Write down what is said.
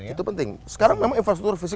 itu penting sekarang memang infrastruktur fisik